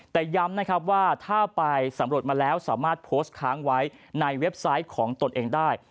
แต่ย้ำนะครับว่าถ้าไปสำรวจมาแล้วสามารถโพสต์ค้างไว้ในเว็บไซต์ของตนเองได้